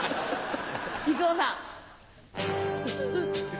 木久扇さん。